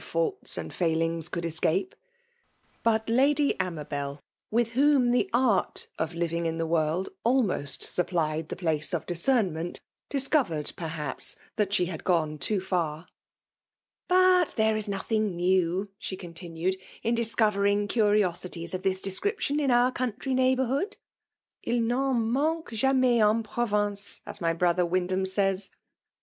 169 ovm faults and fkilings could escape; but Lady Amabel, with whom the art of living in the world almost supplied the place of discern ment/discovered, perhaps, that she had gone too far." ^* But there is nothing new/* she continued, *' in discovering cariosities of this description in our country neighbourhood. II iCtn mdngue jwnum en province, as my brother Wyndham says.